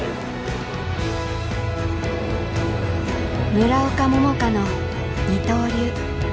村岡桃佳の二刀流。